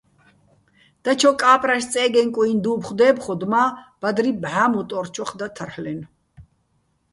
დაჩო კა́პრაშ-წე́გეჼ-კუიჼ დუ́ფხო̆ დე́ფხოდო̆ მა́, ბადრი ბჵა მუტო́რჩოხ და თარლ'ენო̆.